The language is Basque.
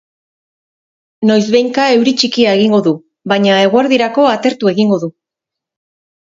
Noizbehinka euri txikia egingo du, baina eguerdirako atertu egingo du.